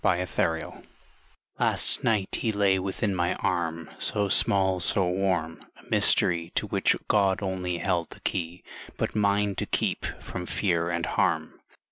The Mother LAST night he lay within my arm, So small, so warm a mystery To which God only held the key But mine to keep from fear and harm!